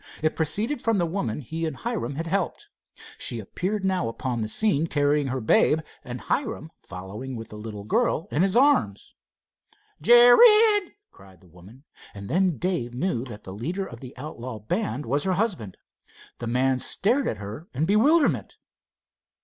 It proceeded from the woman he and Hiram had helped. She appeared now upon the scene carrying her babe, and Hiram following with the little girl in his arms. "Jared!" cried the woman, and then Dave knew that the leader of the outlaw band was her husband. The man stared at her in bewilderment.